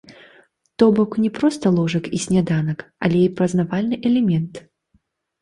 То бок, не проста ложак і сняданак, але і пазнавальны элемент.